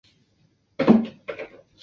是该国两个总教区之一。